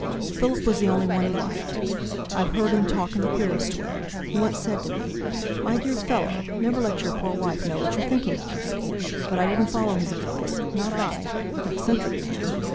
Philip was the only one he liked. I've heard him talk in the queerest way; he once said to me: 'My dear fellow, never let your poor wife know what you're thinking of!' But I didn't follow his advice; not I! An eccentric man!